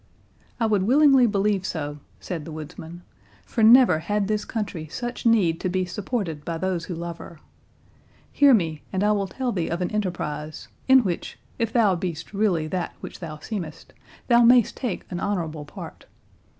"I would willingly believe so," said the woodsman, "for never had this country such need to be supported by those who love her. Hear me, and I will tell thee of an enterprise, in which, if thou be'st really that which thou seemest, thou mayst take an honourable part.